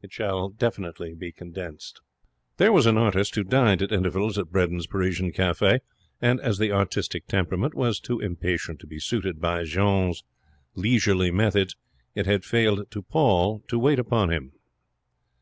It shall be condensed. There was an artist who dined at intervals at Bredin's Parisian Cafe, and, as the artistic temperament was too impatient to be suited by Jeanne's leisurely methods, it had fallen to Paul to wait upon him.